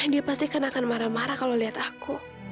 dia pasti akan marah marah kalau lihat aku